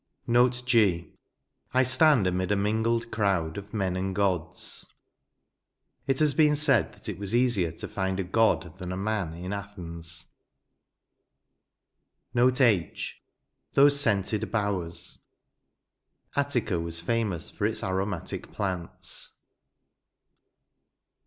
I stand amid a mingled crowd Of men and gods.* ft It has been said that it was easier to find a god than a man in Athens. 110 NOTES. NonH. Tkate Mcenied bowers" Attica was fSunous for its aromatic plants.